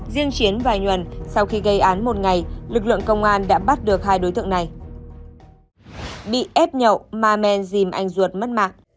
riêng chiến vài nhuần sau khi gây án một ngày lực lượng công an đã bắt được hai đối tượng này